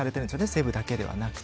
西武だけではなくて。